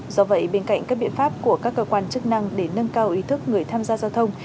do vậy bên cạnh các biện pháp của các cơ quan chức năng để nâng cao ý thức người tham gia giao thông